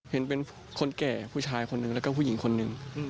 เห็นเป็นคนแก่ผู้ชายคนนึงกับผู้หญิงคนนึง